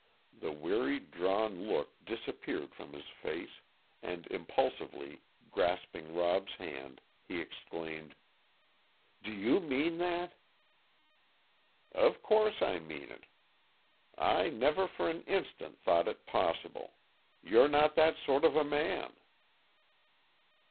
The weary, drawn look disappeared from his face, and, impulsively grasping Rob's hand, he exclaimed, "Do you mean that?" "Of course I mean it. I never for an instant thought it possible. You're not that sort of a man."